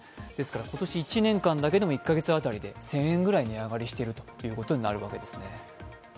今年１年間だけでも１カ月当たりで１０００円ぐらい値上がりしているということになりますね。